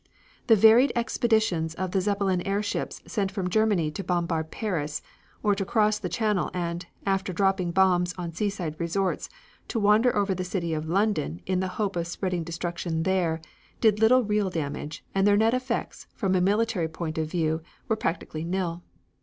The varied expeditions of the Zeppelin airships sent from Germany to bombard Paris, or to cross the Channel and, after dropping bombs on seaside resorts, to wander over the city of London in the hope of spreading destruction there, did little real damage and their net effects, from a military point of view, were practically nil.